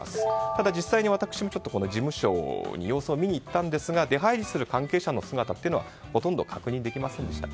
ただ実際に私も事務所に様子を見に行ったんですが出入りする関係者の姿はほとんど確認できませんでした。